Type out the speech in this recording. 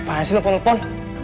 apaan sih nama perempuan